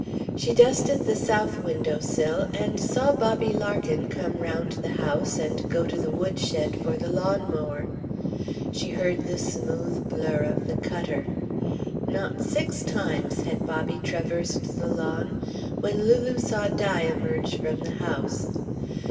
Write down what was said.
She dusted the south window sill and saw Bobby Larkin come round the house and go to the wood shed for the lawn mower. She heard the smooth blur of the cutter. Not six times had Bobby traversed the lawn when Lulu saw Di emerge from the house.